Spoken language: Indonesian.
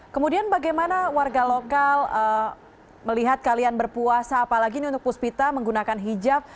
kemudian bagaimana warga lokal melihat kalian berpuasa apalagi ini untuk puspita menggunakan hijab